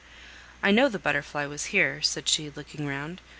"I know the Butterfly was here," said she, looking round.